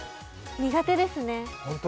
苦手ですね。